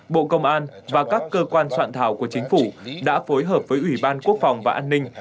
bộ công an và các cơ quan soạn thảo của chính phủ đã phối hợp với ủy ban quốc phòng và an ninh